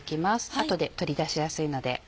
あとで取り出しやすいので。